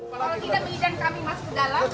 kalau tidak mengizin kami masuk ke dalam